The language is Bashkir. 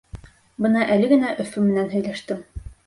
Бына әле генә Өфө менән һөйләштем.